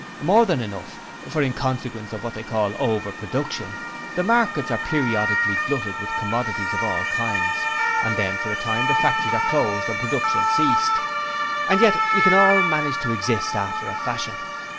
More than enough, for in consequence of what they call "Over Production", the markets are periodically glutted with commodities of all kinds, and then for a time the factories are closed and production ceases. And yet we can all manage to exist after a fashion.